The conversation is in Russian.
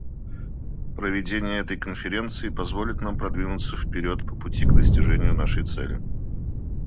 Проведение этой конференции позволит нам продвинуться вперед по пути к достижению нашей цели.